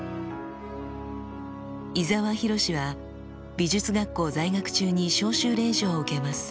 伊澤洋は美術学校在学中に召集令状を受けます。